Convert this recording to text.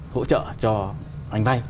hỗ trợ cho anh vay